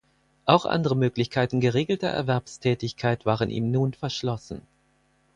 Auch andere Möglichkeiten geregelter Erwerbstätigkeit waren ihm nun verschlossen.